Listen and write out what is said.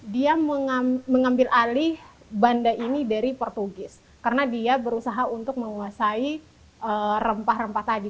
dia mengambil alih banda ini dari portugis karena dia berusaha untuk menguasai rempah rempah tadi